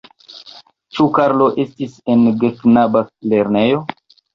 Ĉu Karlo estis en geknaba lernejo?